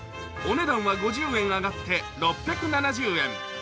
お値段は５０円上がって、６７０円。